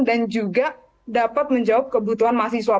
dan juga dapat menjawab kebutuhan mahasiswa